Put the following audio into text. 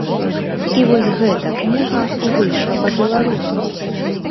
І вось гэта кніга выйшла па-беларуску.